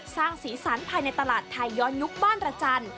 สร้างสีสันภายในตลาดไทยย้อนยุคบ้านระจันทร์